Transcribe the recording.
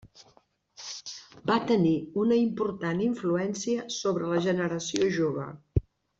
Va tenir una important influència sobre la generació jove.